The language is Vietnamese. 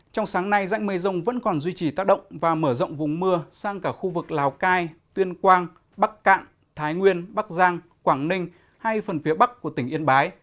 trong sáng nay dãnh mây rông vẫn còn duy trì tác động và mở rộng vùng mưa sang cả khu vực lào cai tuyên quang bắc cạn thái nguyên bắc giang quảng ninh hay phần phía bắc của tỉnh yên bái